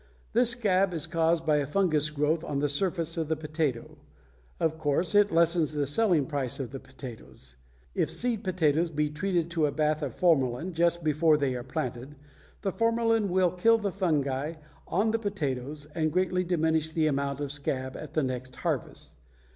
This scab is caused by a fungous growth on the surface of the potato. Of course it lessens the selling price of the potatoes. If seed potatoes be treated to a bath of formalin just before they are planted, the formalin will kill the fungi on the potatoes and greatly diminish the amount of scab at the next harvest.